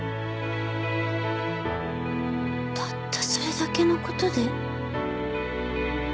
たったそれだけの事で？